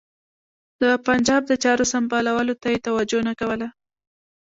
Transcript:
د پنجاب د چارو سمبالولو ته یې توجه نه کوله.